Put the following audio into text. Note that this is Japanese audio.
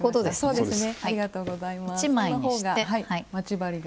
そうですね。